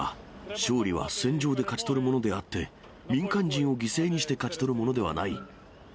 勝利は戦場で勝ち取るものであって、民間人を犠牲にして勝ち取る